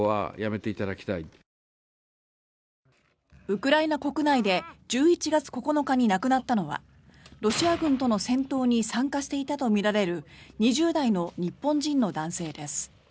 ウクライナ国内で１１月９日に亡くなったのはロシア軍との戦闘に参加していたとみられる２０代の日本人の男性です。